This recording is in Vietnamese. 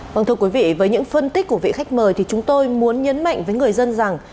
vâng thưa quý vị với những phân tích của vị khách mời thì chúng tôi muốn nhấn mạnh với người dân rằng